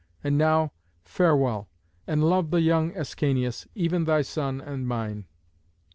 And now, farewell, and love the young Ascanius, even thy son and mine."